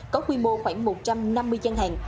có quy mô khoảng một trăm năm mươi gian hàng